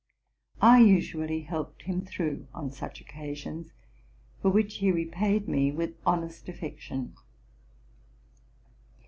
I usually helped him through on such occasions, for which he repaid me with honest affection.